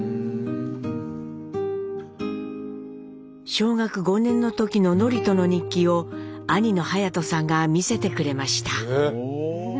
小学５年の時の智人の日記を兄の勇人さんが見せてくれました。